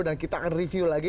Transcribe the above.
dan kita akan review lagi